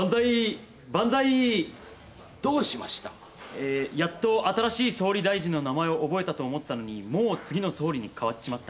えーやっと新しい総理大臣の名前を覚えたと思ったのにもう次の総理に変わっちまった。